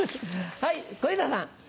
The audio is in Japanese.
はい小遊三さん。